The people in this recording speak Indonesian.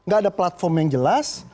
gak ada platform yang jelas